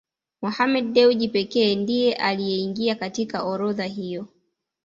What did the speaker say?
Mohammed Dewji pekee ndiye aliyeingia katika orodha hiyo